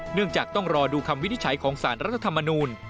เนื่องจากต้องรอดูคำวินิจฉัยของสารรัฐธรรมนูล